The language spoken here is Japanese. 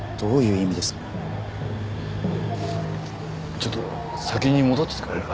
ちょっと先に戻っててくれるか？